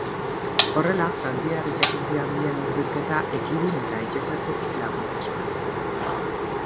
Horrela, frantziar itsasontzi handien hurbilketa ekidin eta itsasertzetik laguntza zuen.